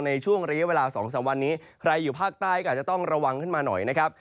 ในช่วงระยะเวลา๒๓วันนี้ใครอยู่ภาคใต้ก็อาจจะต้องระวังขึ้นมาหน่อยนะครับ